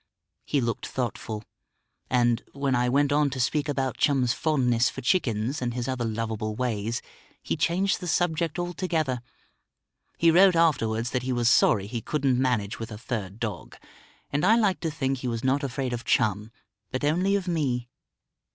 He looked thoughtful; and, when I went on to speak about Chum's fondness for chickens, and his other lovable ways, he changed the subject altogether. He wrote afterwards that he was sorry he couldn't manage with a third dog. And I like to think he was not afraid of Chum but only of me.